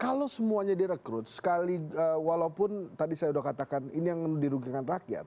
kalau semuanya direkrut sekali walaupun tadi saya sudah katakan ini yang dirugikan rakyat